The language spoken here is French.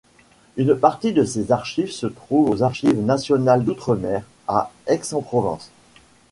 Une partie de ses archives se trouvent aux Archives nationales d'outre-mer, à Aix-en-Provence.